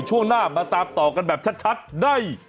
ช่วงหน้ามาตามต่อกันแบบชัดใน